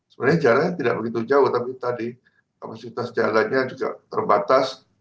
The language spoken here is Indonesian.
sebenarnya jaraknya tidak begitu jauh tapi tadi kapasitas jalannya juga terbatas